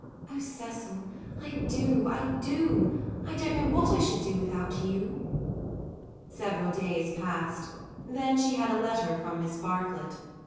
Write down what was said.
"Oh, Cecil, I do, I do! I don't know what I should do without you." Several days passed. Then she had a letter from Miss Bartlett.